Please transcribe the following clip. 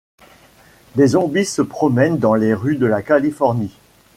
Des zombies se promènent dans les rues de la Californie.